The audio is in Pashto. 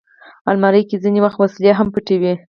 الماري کې ځینې وخت وسلې هم پټې وي